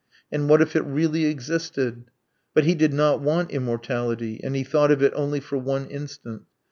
And what if it really existed? But he did not want immortality and he thought of it only for one instant.